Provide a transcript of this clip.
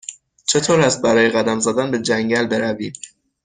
چطور است برای قدم زدن به جنگل برویم؟